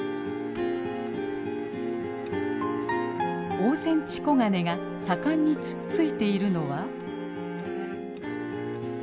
オオセンチコガネが盛んにつっついているのは。